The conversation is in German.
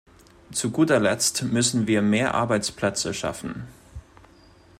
Zu guter Letzt müssen wir mehr Arbeitsplätze schaffen.